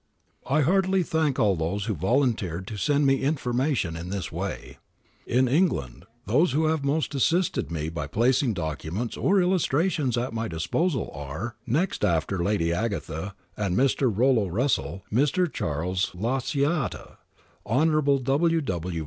I heartily thank all those who volunteered to send me information in this way. In England those who have most assisted me by placing documents or illustrations at my disposal are — PREFACE xi next after Lady Agatha and Mr. Rollo Russell — Mr. Chas. Lacaita, Hon. W. W.